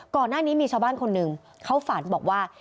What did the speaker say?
ก่อนหน้านี้มีชาวบ้านคนหนึ่งเขาฝันบอกว่า